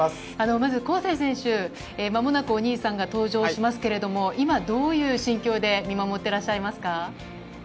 まず恒成選手、間もなくお兄さんが登場しますけれども、今、どういう心境で見守っていらっしゃいますか？